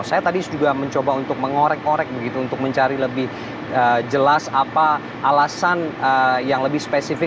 saya tadi juga mencoba untuk mengorek orek begitu untuk mencari lebih jelas apa alasan yang lebih spesifik